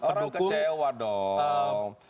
orang kecewa dong